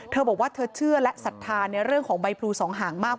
เธอบอกว่าเธอเชื่อและศรัทธาในเรื่องของใบพลูสองหางมาก